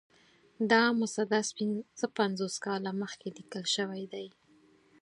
دا مسدس پنځه پنځوس کاله مخکې لیکل شوی دی.